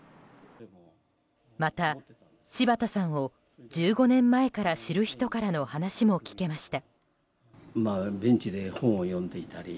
また、柴田さんを１５年前から知る人からの話も聞けました。